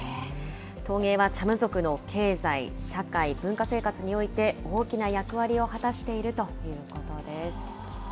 陶芸はチャム族の経済、社会、文化生活において、大きな役割を果たしているということです。